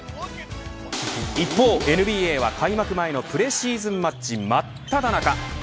一方ＮＢＡは開幕前のプレシーズンマッチ真っただ中。